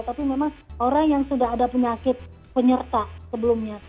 tapi memang orang yang sudah ada penyakit penyerta sebelumnya